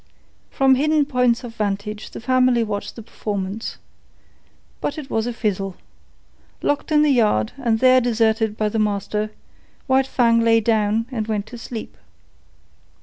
'" From hidden points of vantage the family watched the performance. But it was a fizzle. Locked in the yard and there deserted by the master, White Fang lay down and went to sleep.